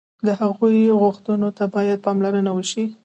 د هغوی غوښتنو ته باید پاملرنه وشي.